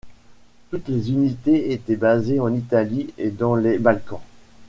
Toutes les unités étaient basées en Italie et dans les Balkans.